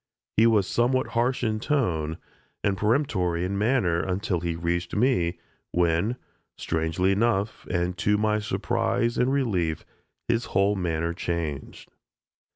He was somewhat harsh in tone, and peremptory in manner until he reached me, when, strangely enough, and to my surprise and relief, his whole manner changed.